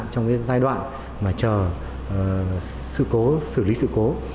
trong cái giai đoạn mà chờ sự cố xử lý sự cố